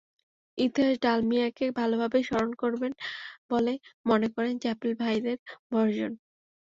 ইতিহাস ডালমিয়াকে ভালোভাবেই স্মরণ করবে বলেই মনে করেন চ্যাপেল ভাইদের বড়জন।